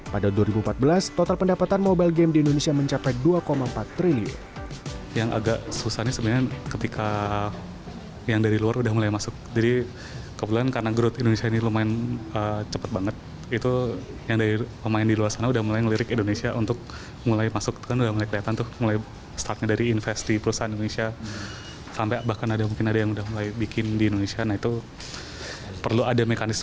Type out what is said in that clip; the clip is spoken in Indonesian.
pada dua ribu empat belas total pendapatan mobile game di indonesia mencapai dua empat triliun